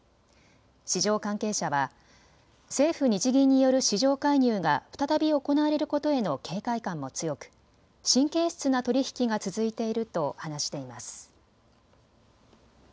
市場関係者は政府・日銀による市場介入が再び行われることへの警戒感も強く神経質な取り引きが続いていると話しています。